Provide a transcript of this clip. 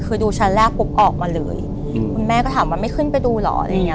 คือดูชั้นแรกปุ๊บออกมาเลยคุณแม่ก็ถามว่าไม่ขึ้นไปดูเหรออะไรอย่างเง